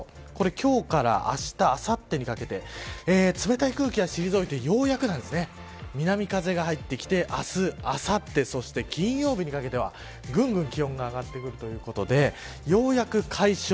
今日からあした、あさってにかけて、冷たい空気が退いてようやく南風が入ってきて明日、あさってそして金曜日にかけてはぐんぐん気温が上がってくるということでようやく解消。